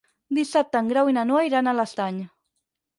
Dissabte en Grau i na Noa iran a l'Estany.